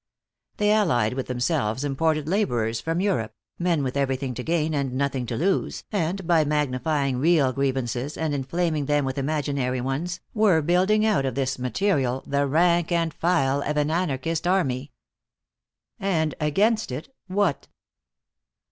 They allied with themselves imported laborers from Europe, men with everything to gain and nothing to lose, and by magnifying real grievances and inflaming them with imaginary ones, were building out of this material the rank and file of an anarchist army. And against it, what?